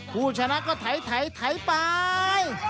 ผู้ชนะก็ไถไป